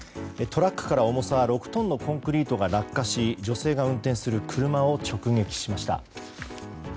トラックから重さ６トンのコンクリートが落下し女性が運転する車を直撃しました。